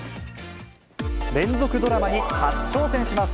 連続ドラマに初挑戦します。